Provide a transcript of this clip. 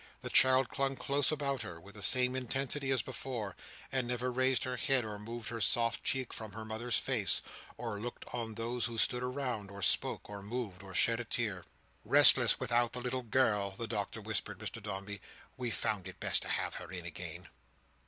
The child clung close about her, with the same intensity as before, and never raised her head, or moved her soft cheek from her mother's face, or looked on those who stood around, or spoke, or moved, or shed a tear. "Restless without the little girl," the Doctor whispered Mr Dombey. "We found it best to have her in again."